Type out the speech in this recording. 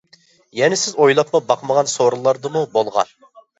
يەنە سىز ئويلاپمۇ باقمىغان سورۇنلاردىمۇ بولغان.